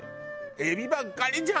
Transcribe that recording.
エビばっかりじゃん！